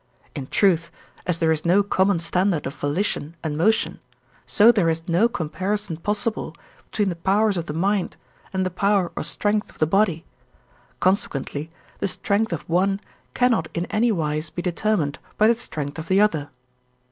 In truth, as there is no common standard of volition and motion, so is there no comparison possible between the powers of the mind and the power or strength of the body; consequently the strength of one cannot in any wise be determined by the strength of the other.